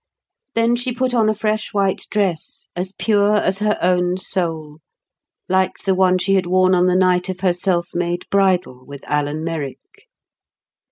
Then she put on a fresh white dress, as pure as her own soul, like the one she had worn on the night of her self made bridal with Alan Merrick.